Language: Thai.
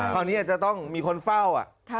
คราวนี้อาจจะต้องมีคนเฝ้า